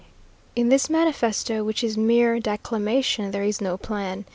In this manifesto, which is mere declamation, there is no plan.